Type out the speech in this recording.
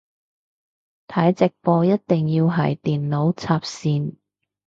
睇直播一定係電腦插線